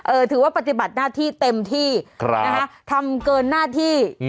ถือว่าปฏิบัติหน้าที่เต็มที่ครับนะฮะทำเกินหน้าที่